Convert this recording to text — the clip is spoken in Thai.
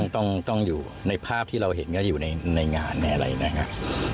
ต้องอยู่ในภาพที่เราเห็นก็อยู่ในงานในอะไรนะครับ